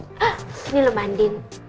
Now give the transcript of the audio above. ini mbak andin